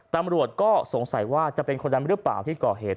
ตำรวจก็สงสัยว่าจะเป็นคนนั้นหรือเปล่าที่ก่อเหตุ